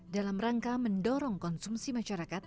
dalam rangka mendorong konsumsi masyarakat